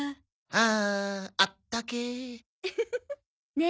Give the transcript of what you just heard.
あああったけえ。